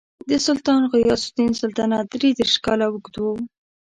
د سلطان غیاث الدین سلطنت درې دېرش کاله اوږد و.